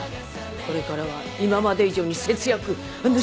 これからは今まで以上に節約＆仕事よ。